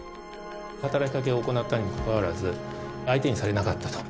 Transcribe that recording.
働きかけを行ったにもかかわらず相手にされなかったと。